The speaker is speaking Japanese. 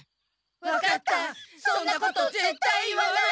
わかったそんなことぜったい言わない。